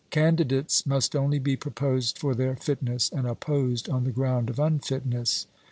Candidates must only be proposed for their fitness, and opposed on the ground of unfitness.